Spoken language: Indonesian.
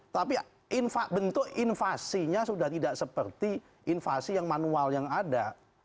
tapi bentuk invasinya sudah tidak seperti invasi yang manual yang ada